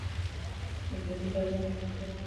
که انټرنیټ ارزانه وي نو ټول ترې ګټه اخلي.